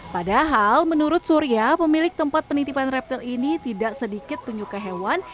padahal menurut surya pemilik tempat penitipan reptil ini tidak sedikit penyuka hewan